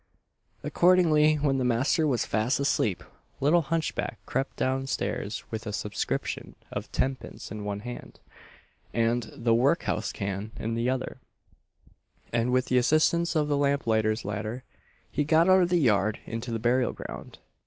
Accordingly, when the master was fast asleep, little hunchback crept down stairs with a subscription of tenpence in one hand, and "the workhouse can" in the other; and with the assistance of the lamplighter's ladder he got out of the yard into the burial ground.